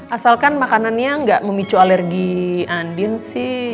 asalkan makanannya nggak memicu alergi andin sih